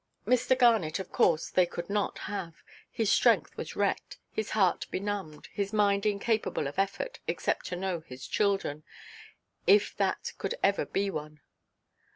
Mr. Garnet, of course, they could not have: his strength was wrecked, his heart benumbed, his mind incapable of effort, except to know his children, if that could ever be one.